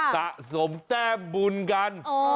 สะสมแต้มบุญกัน